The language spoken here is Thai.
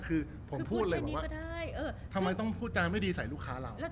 คือผมพูดเลยบอกว่าทำไมต้องพูดจาไม่ดีใส่ลูกค้าเรา